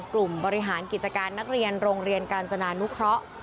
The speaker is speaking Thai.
บริหารกิจการนักเรียนโรงเรียนกาญจนานุเคราะห์